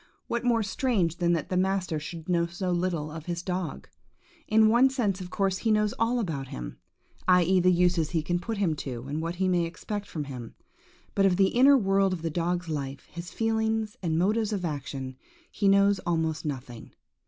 What more strange than that the master should know so little of his dog? In one sense, of course, he knows all about him, i.e., the uses he can put him to, and what he may expect from him; but of the inner world of the dog's life, his feelings and motives of action, he knows almost nothing.